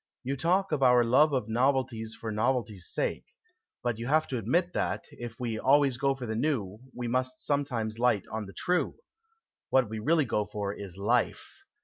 " You talk of our love of novelties for novelty's sake. But you have admitted that, if we always go for the new, we must sometimes light on the true. What we really go for is life.